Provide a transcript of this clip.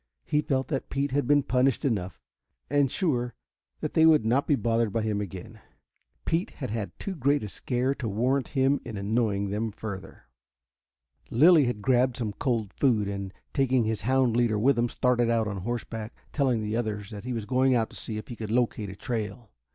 He felt that Pete had been punished enough, and was sure that they would not be bothered by him again. Pete had had too great a scare to warrant him in annoying them further. Lilly had grabbed some cold food, and, taking his hound leader with him, started out on horseback, telling the others that he was going out to see if he could locate a trail.